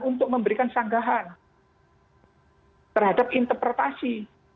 untuk memberikan sanggahan terhadap interpretasi